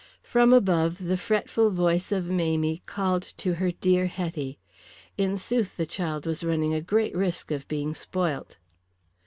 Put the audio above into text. From above the fretful voice of Mamie called to her dear Hetty. In sooth, the child was running a great risk of being spoilt.